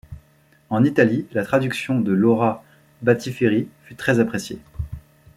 En Italie, la traduction de Laura Battiferri fut très appréciée.